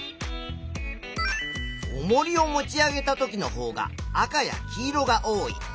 おもりを持ち上げたときのほうが赤や黄色が多い。